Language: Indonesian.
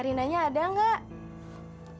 karinanya ada nggak